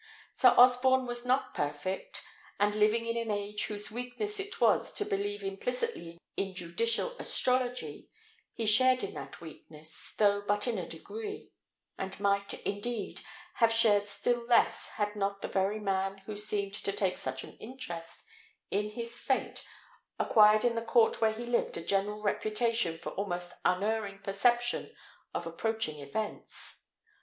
Sir Osborne was not perfect; and living in an age whose weakness it was to believe implicitly in judicial astrology, he shared in that weakness, though but in a degree; and might, indeed, have shared still less, had not the very man who seemed to take such an interest in his fate acquired in the court where he lived a general reputation for almost unerring perception of approaching events.